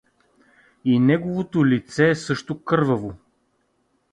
И неговото лице е също кърваво.